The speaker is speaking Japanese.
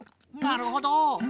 なるほど。